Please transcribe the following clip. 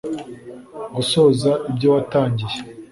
gusoza ibyo watangiye